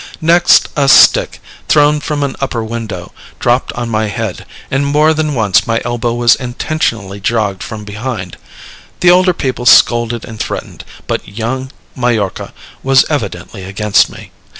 Next a stick, thrown from an upper window, dropped on my head, and more than once my elbow was intentionally jogged from behind. The older people scolded and threatened, but young Majorca was evidently against me.